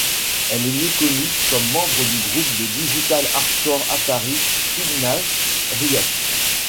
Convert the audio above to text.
Elle est mieux connue comme membre du groupe de digital hardcore Atari Teenage Riot.